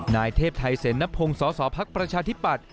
นายเทพไทเสนนพงศศพรรคประชาธิปัตย์